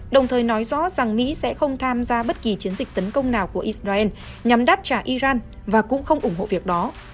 đồng thời nói rõ rằng mỹ sẽ không tham gia bất kỳ chiến dịch tấn công nào của israel nhằm đáp trả iran và cũng không ủng hộ việc đó